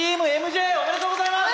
ＴｅａｍＭＪおめでとうございます！